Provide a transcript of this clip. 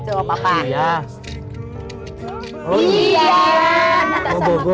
dengan sampaikan semua horm advisory photocopy support